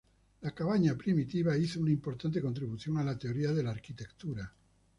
La cabaña primitiva hizo una importante contribución a la teoría de la arquitectura.